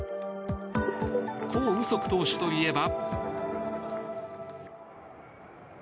コ・ウソク投手といえば。